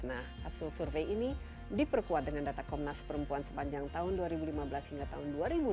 nah hasil survei ini diperkuat dengan data komnas perempuan sepanjang tahun dua ribu lima belas hingga tahun dua ribu dua puluh